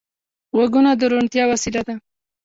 غوږونه د روڼتیا وسیله ده